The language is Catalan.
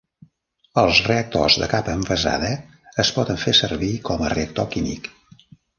Els "reactors de capa envasada" es poden fer servir com a reactor químic.